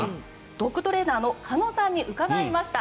ドッグトレーナーの鹿野さんに伺いました。